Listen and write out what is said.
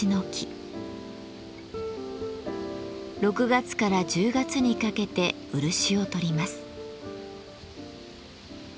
６月から１０月にかけて漆を採ります。